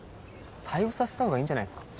退部させたほうがいいんじゃないっすか？